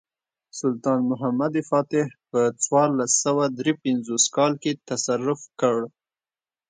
سلطان محمد فاتح په څوارلس سوه درې پنځوس کال کې تصرف کړ.